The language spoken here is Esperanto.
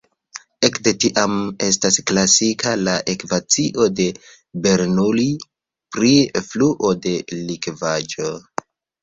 Ekde tiam estas klasika la ekvacio de Bernoulli pri fluo de likvaĵo.